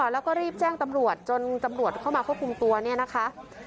แล้วก็รีบแจ้งตำรวจจนตำรวจเข้ามาควบคุมตัวเนี่ยนะคะ